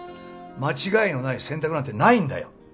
間違いのない選択なんてないんだよ。